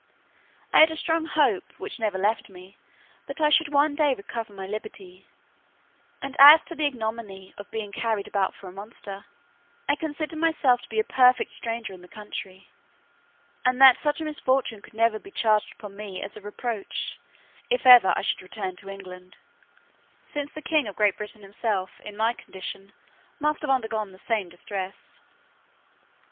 I had a strong hope, which never left me, that I should one day recover my liberty: and as to the ignominy of being carried about for a monster, I considered myself to be a perfect stranger in the country, and that such a misfortune could never be charged upon me as a reproach, if ever I should return to England, since the king of Great Britain himself, in my condition, must have undergone the same distress.